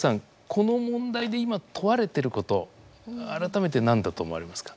この問題で今問われてること改めて何だと思われますか？